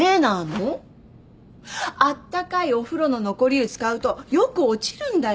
あったかいお風呂の残り湯使うとよく落ちるんだよ。